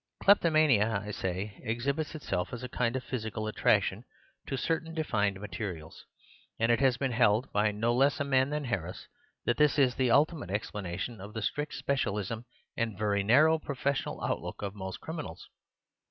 Kleptomania, I say, exhibits itself as a kind of physical attraction to certain defined materials; and it has been held (by no less a man than Harris) that this is the ultimate explanation of the strict specialism and vurry narrow professional outlook of most criminals.